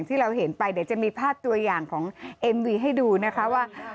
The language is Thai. ที่เราเห็นไปเดี๋ยวจะมีภาพตัวอย่างของเอ็มวีให้ดูนะคะว่า